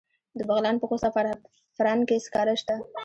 د بغلان په خوست او فرنګ کې سکاره شته.